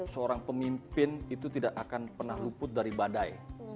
seorang pemimpin itu tidak akan pernah luput dari badai